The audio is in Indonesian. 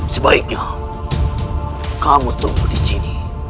sebaiknya kamu tunggu disini